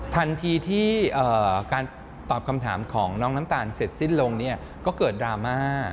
ทันทีที่การตอบคำถามของน้องน้ำตาลเสร็จสิ้นลงเนี่ยก็เกิดดราม่า